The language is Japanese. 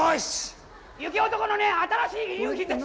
雪男のね新しい遺留品です